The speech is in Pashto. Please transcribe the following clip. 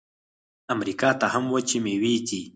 امریکا ته هم وچې میوې ځي.